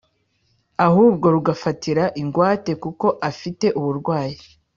ahubwo rugafatira ingwate kuko afite uburwayi